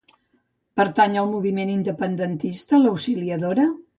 Pertany al moviment independentista l'Auxiliadora?